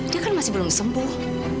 dia kan masih belum sembuh